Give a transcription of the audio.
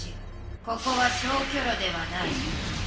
ここは消去炉ではない。